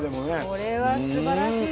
これはすばらしい。